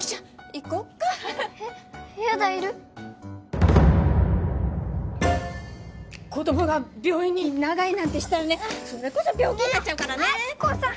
行こっかえっやだいる子供が病院に長居なんてしたらねそれこそ病気になっちゃうからねねえ亜希子さん！